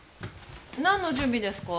なんの準備ですか？